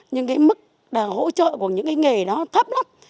nhưng cái mức hỗ trợ của những cái nghề đó thấp lắm